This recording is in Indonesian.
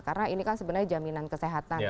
karena ini kan sebenarnya jaminan kesehatan ya